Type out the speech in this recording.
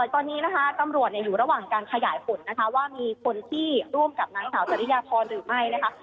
ตอนนี้นะคะตำรวจอยู่ระหว่างการขยายผลนะคะว่ามีคนที่ร่วมกับนางสาวจริยพรหรือไม่นะคะ